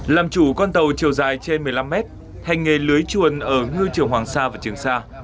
làm chủ con tàu chiều dài trên một mươi năm mét hành nghề lưới chuồn ở ngư trường hoàng sa và trường sa